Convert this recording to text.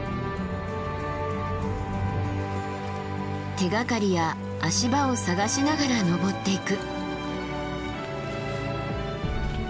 手がかりや足場を探しながら登っていく。